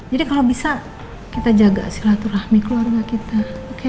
jadi kalo bisa kita jaga silaturahmi keluarga kita oke